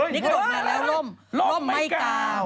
นี่กระโดดมาแล้วร่มไม่กาว